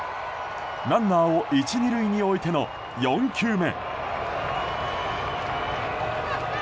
ランナーを１、２塁に置いての４球目。